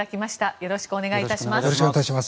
よろしくお願いします。